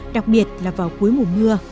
đặc biệt là vào cuối mùa mưa